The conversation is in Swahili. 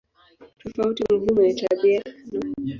Tofauti muhimu ni tabia no.